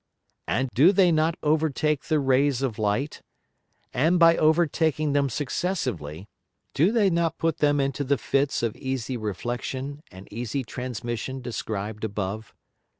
And do they not overtake the Rays of Light, and by overtaking them successively, do they not put them into the Fits of easy Reflexion and easy Transmission described above?